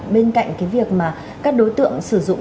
bên cạnh việc các đối tượng sử dụng